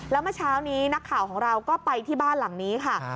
แล้วเมื่อเช้านี้นักข่าวของเราก็ไปที่บ้านหลังนี้ค่ะ